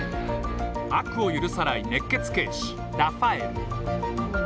悪を許さない熱血警視ラファエル。